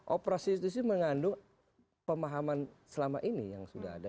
operasi justisi mengandung pemahaman selama ini yang sudah ada